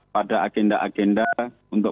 pada agenda agenda untuk